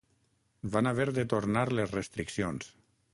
Van haver de tornar les restriccions.